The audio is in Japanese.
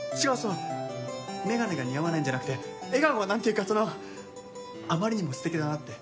いや、眼鏡が似合わないってわけじゃなくて笑顔が何というかあまりにも素敵だなって。